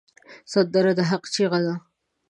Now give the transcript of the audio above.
سندره د حق چیغه ده